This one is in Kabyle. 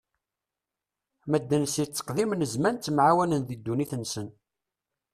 Medden si tteqdim n zzman ttemɛawanen di ddunit-nsen.